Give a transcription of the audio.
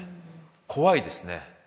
怖いですね。